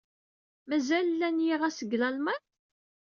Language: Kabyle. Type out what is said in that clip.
Mazal llan yiɣas deg Lalman?